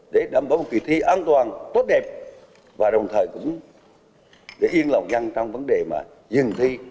để đảm bảo một kỳ thi an toàn tốt đẹp và đồng thời cũng để yên lòng ngăn trong vấn đề mà dừng thi